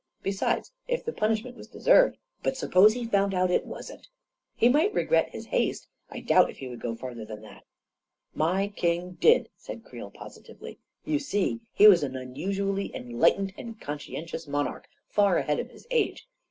Besides, if the pun ishment was deserved ..." u But suppose he found out it wasn't ?"" He might regret his haste. I doubt if he would go farther than that 1 " 41 My king did," said Creel positively. u You see he was an unusually enlightened and conscientious monarch, far ahead of his age.